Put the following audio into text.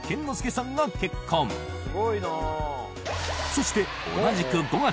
そして同じく５月。